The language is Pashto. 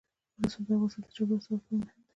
رسوب د افغانستان د چاپیریال ساتنې لپاره مهم دي.